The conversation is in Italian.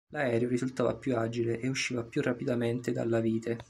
L'aereo risultava più agile e usciva più rapidamente dalla vite.